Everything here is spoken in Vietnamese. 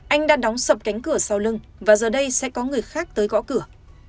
anh đã đóng sập cánh cửa sau lưng và giờ đây sẽ có người khác tới gõ cửa